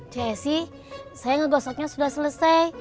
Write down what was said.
chse saya ngegosoknya sudah selesai